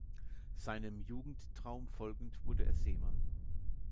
Seinem Jugendtraum folgend wurde er Seemann.